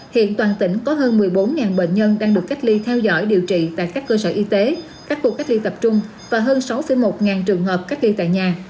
hiện toàn tỉnh có hơn một mươi bốn bệnh nhân đang được cách ly theo dõi điều trị tại các cơ sở y tế các khu cách ly tập trung và hơn sáu một trường hợp cách ly tại nhà